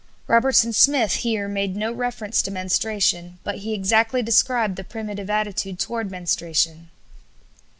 Robertson Smith here made no reference to menstruation, but he exactly described the primitive attitude toward menstruation.